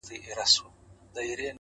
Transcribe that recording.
چي يوه لپه ښكلا يې راته راكړه،